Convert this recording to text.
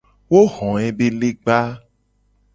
Wo ho ebe legba.